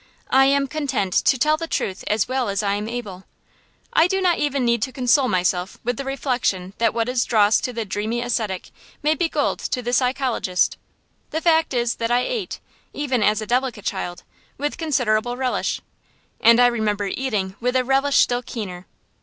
I am content to tell the truth as well as I am able. I do not even need to console myself with the reflection that what is dross to the dreamy ascetic may be gold to the psychologist. The fact is that I ate, even as a delicate child, with considerable relish; and I remember eating with a relish still keener.